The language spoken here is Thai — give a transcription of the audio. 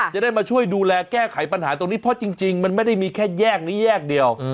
จะได้มาช่วยดูแลแก้ไขปัญหาตรงนี้เพราะจริงมันไม่ได้มีแค่แยกนี้แยกเดียว